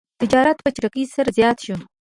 تجارت په چټکۍ سره زیات شو.